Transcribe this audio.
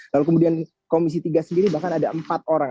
lalu kemudian komisi tiga sendiri bahkan ada empat orang